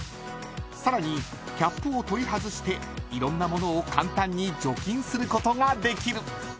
［さらにキャップを取り外していろんなものを簡単に除菌することができる］